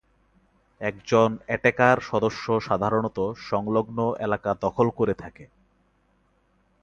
একজন অ্যাটেকার সদস্য সাধারণত সংলগ্ন এলাকা দখল করে থাকে।